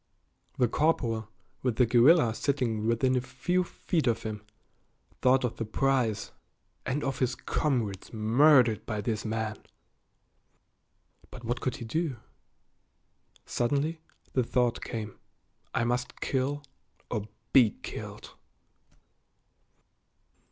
The corporal, with the guerrilla sitting within a few feet of him, thought of the prize, and of his comrades murdered by this man. But what could he do? Suddenly the thought came, "I must kill or be killed."